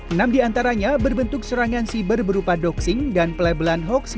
enam di antaranya berbentuk serangan siber berupa doxing dan pelebelan hoaxing